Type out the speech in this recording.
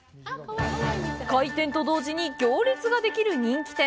開店と同時に行列ができる人気店。